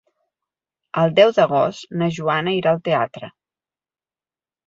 El deu d'agost na Joana irà al teatre.